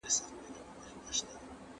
انسان بايد د نورو عقیدې ته درناوی وکړي.